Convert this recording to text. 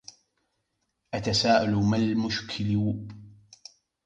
أتساءل ما المشكل يا جمال.